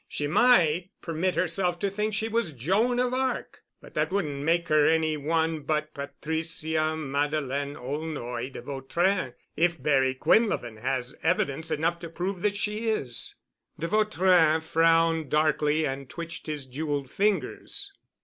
She might permit herself to think she was Joan of Arc, but that wouldn't make her any one but Patricia Madeleine Aulnoy de Vautrin, if Barry Quinlevin has evidence enough to prove that she is...." De Vautrin frowned darkly and twitched his jeweled fingers.